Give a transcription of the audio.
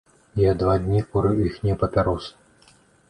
Я два дні курыў іхнія папяросы.